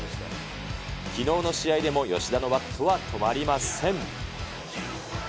きのうの試合でも吉田のバットは止まりません。